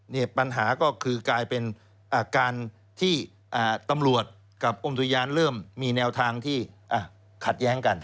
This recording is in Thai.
ปัญหาก็คือกลายเป็นการที่ตำรวจกับองค์ทุยานเริ่มมีแนวทางที่ขัดแย้งกัน